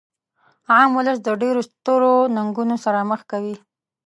عام ولس د ډیرو سترو ننګونو سره مخ کوي.